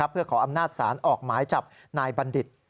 เพื่อขออำนาจศาลออกหมายจับนายบัณฑิต